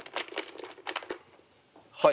はい。